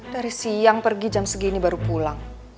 dari siang pergi jam segini baru pulang